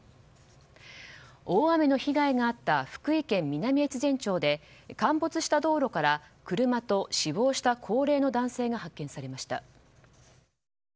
大雨の被害があった福井県南越前町で陥没した道路から車と死亡した高齢の男性が発見されました。